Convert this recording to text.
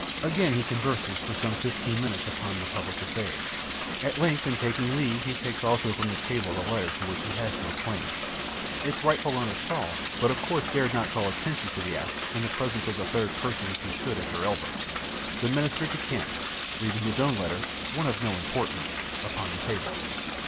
Again he converses, for some fifteen minutes, upon the public affairs. At length, in taking leave, he takes also from the table the letter to which he had no claim. Its rightful owner saw, but of course, dared not call attention to the act, in the presence of the third personage who stood at her elbow. The Minister decamped, leaving his own letter one of no importance upon the table."